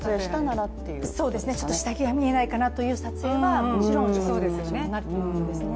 ちょっと下着が見えないかなという撮影はもちろん、対象になるんですね。